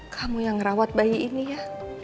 kamu yang ngerawat bayi ini ya